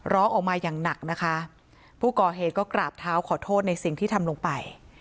ร้องออกมาอย่างหนักนะคะผู้ก่อเหตุก็กราบเท้าขอโทษในสิ่งที่ทำลงไป